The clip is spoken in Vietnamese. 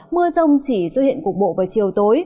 mưa rông chỉ xuất hiện cục bộ vào chiều tối